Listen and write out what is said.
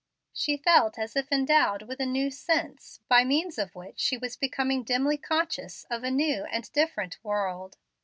She felt as if endowed with a new sense, by means of which she was becoming dimly conscious of a new and different world.